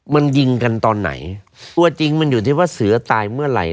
มันยิงกันตอนไหนตัวจริงมันอยู่ที่ว่าเสือตายเมื่อไหร่